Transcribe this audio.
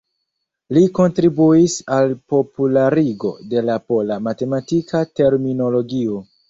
Li kontribuis al popularigo de la pola matematika terminologio.